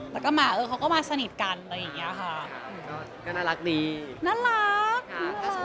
แล้วก็เขาก็มาสนิทกันอะไรอย่างนี้ค่ะ